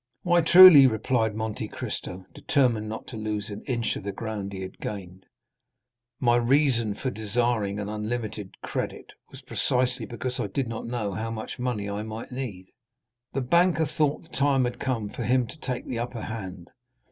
"Why, truly," replied Monte Cristo, determined not to lose an inch of the ground he had gained, "my reason for desiring an 'unlimited' credit was precisely because I did not know how much money I might need." The banker thought the time had come for him to take the upper hand.